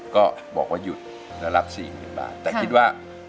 ก็บอกว่าหยุดแล้วรับสี่หมื่นบาทแต่คิดว่า